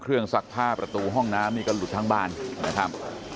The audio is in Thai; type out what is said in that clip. ซักผ้าประตูห้องน้ำนี่ก็หลุดทั้งบ้านนะครับ